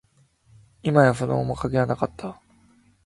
いまや、その頃の面影はなかった